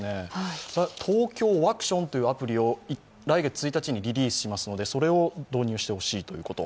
ＴＯＫＹＯワクションというアプリを来月１日にリリースしますのでそれを導入してほしいと。